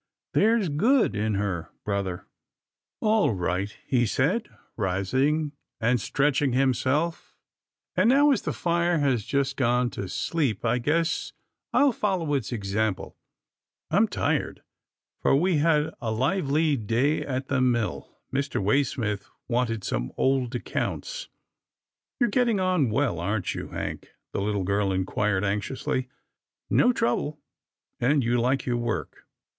There's good in her, brother." " All right," he said rising and stretching him self, " and now, as the fire has just gone to sleep, I guess I'll follow its example. I'm tired, for we had a lively day at the mill. Mr. Waysmith wanted some old accounts." " You're getting on well, aren't you. Hank ?" the little girl inquired anxiously. " No trouble, and you like your work